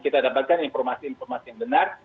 kita dapatkan informasi informasi yang benar